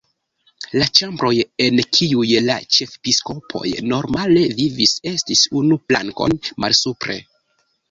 La ĉambroj en kiuj la ĉefepiskopoj normale vivis estis unu plankon malsupre.